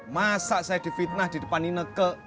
masa saya difitnah di depan ini neke